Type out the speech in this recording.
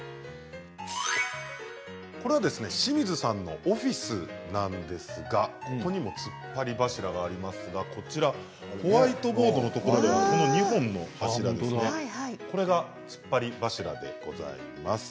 これは清水さんのオフィスなんですがここにもつっぱり柱がありますがホワイトボードのところにこの２本の柱、これがつっぱり柱でございます。